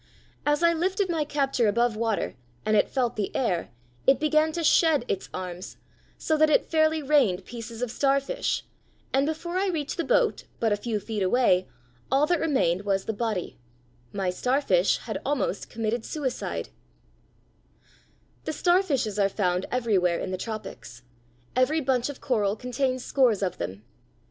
As I lifted my capture above water and it felt the air it began to shed its arms, so that it fairly rained pieces of starfish, and before I reached the boat, but a few feet away, all that remained was the body. My starfish had almost committed suicide. [Illustration: FIG. 49. A deep water starfish (Ophiocoma), a rapid mover.] The starfishes are found everywhere in the tropics. Every bunch of coral contains scores of them.